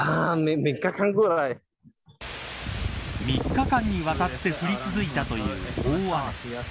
３日間にわたって降り続いたという大雨。